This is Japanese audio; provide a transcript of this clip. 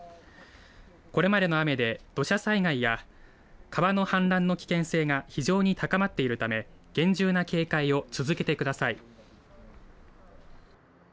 これまでの雨で土砂災害や川の氾濫の危険性が非常に高まっているため厳重な警戒を続けてください。